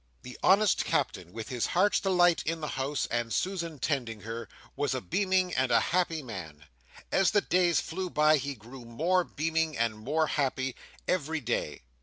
The honest Captain, with his Heart's Delight in the house, and Susan tending her, was a beaming and a happy man. As the days flew by, he grew more beaming and more happy, every day.